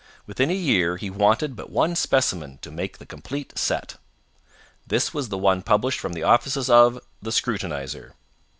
Within a year he wanted but one specimen to make the complete set. This was the one published from the offices of the Scrutinizer.